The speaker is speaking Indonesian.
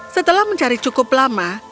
setelah mencari cukup lama